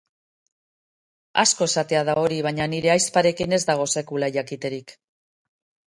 Asko esatea da hori, baina nire ahizparekin ez dago sekula jakiterik.